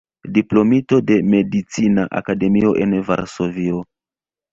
Diplomito de Medicina Akademio en Varsovio.